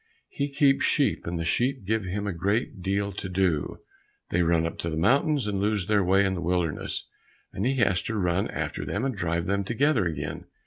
He keeps sheep, and the sheep give him a great deal to do. They run up the mountains and lose their way in the wilderness, and he has to run after them and drive them together again.